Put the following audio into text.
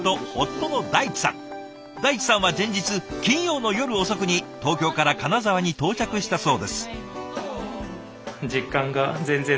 大地さんは前日金曜の夜遅くに東京から金沢に到着したそうです。